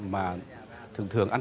mà thường thường ăn sáng